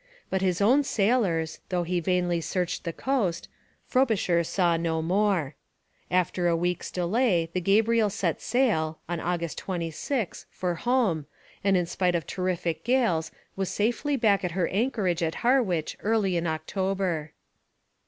But his own sailors, though he vainly searched the coast, Frobisher saw no more. After a week's delay, the Gabriel set sail (on August 26) for home, and in spite of terrific gales was safely back at her anchorage at Harwich early in October.